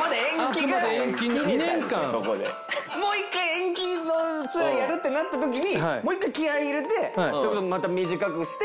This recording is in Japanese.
もう一回延期のツアーやるってなった時にもう一回気合入れてそれこそまた短くして。